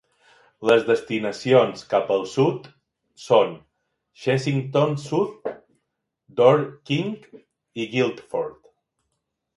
Les destinacions cap al sud son Chessington South, Dorking i Guildford.